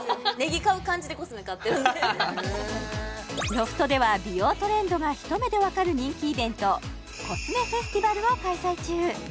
ロフトでは美容トレンドが一目でわかる人気イベントコスメフェスティバルを開催中